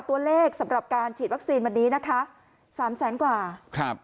สำหรับการฉีดวัคซีนวันนี้นะคะสามแสนกว่าครับ